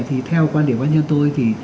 thì theo quan điểm của anh nhân tôi